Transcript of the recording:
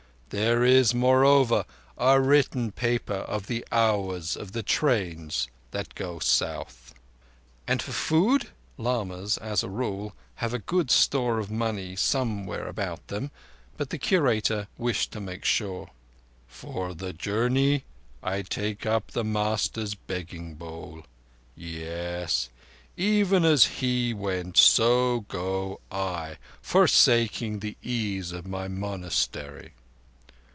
There is, moreover, a written paper of the hours of the trains that go south." "And for food?" Lamas, as a rule, have good store of money somewhere about them, but the Curator wished to make sure. "For the journey, I take up the Master's begging bowl. Yes. Even as He went so go I, forsaking the ease of my monastery.